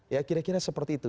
ya kira kira seperti itu